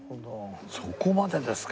そこまでですか！